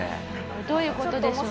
どういう事でしょう？